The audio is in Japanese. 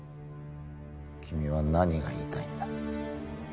君は何が言いたいんだ？